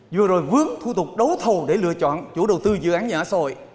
vừa rồi vướng thu tục đấu thầu để lựa chọn chủ đầu tư dự án nhà ở xã hội